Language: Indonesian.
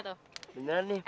di sini juga gelar